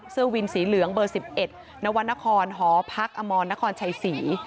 เสื้อวินสีเหลืองเบอร์๑๑นนหพอนชศ